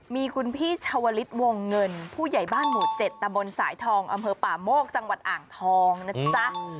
มีคุณพี่ชาวลิศวงเงินผู้ใหญ่บ้านหมู่๗ตะบนสายทองอำเภอป่าโมกจังหวัดอ่างทองนะจ๊ะ